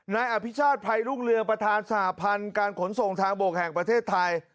นายอภิชาติภัยรุ่งเรืองประธานสหพันธ์การขนส่งทางบกแห่งประเทศไทย